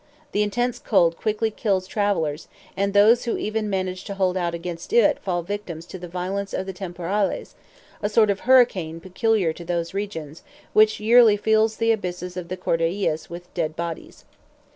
The intense cold quickly kills travelers, and those who even manage to hold out against it fall victims to the violence of the TEMPORALES, a sort of hurricane peculiar to those regions, which yearly fills the abysses of the Cordilleras with dead bodies.